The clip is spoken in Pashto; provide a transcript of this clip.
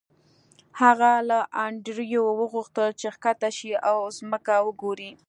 هغه له انډریو وغوښتل چې ښکته شي او ځمکه وګوري